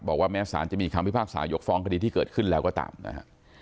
แม้สารจะมีคำพิพากษายกฟ้องคดีที่เกิดขึ้นแล้วก็ตามนะฮะ